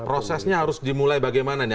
prosesnya harus dimulai bagaimana nih